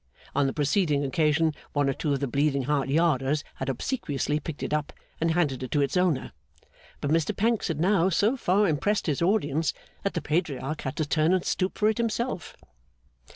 On the preceding occasion, one or two of the Bleeding Heart Yarders had obsequiously picked it up and handed it to its owner; but Mr Pancks had now so far impressed his audience, that the Patriarch had to turn and stoop for it himself.